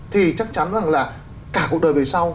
thì chắc chắn là cả cuộc đời về sau